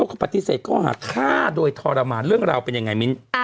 เขาปฏิเสธข้อหาฆ่าโดยทรมานเรื่องราวเป็นยังไงมิ้น